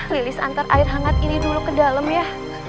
rilis antar air hangat ini dulu ke dalam ya